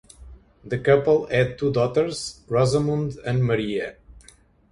The couple had two daughters, Rosamund and Maria.